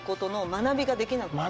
学びができなくなる？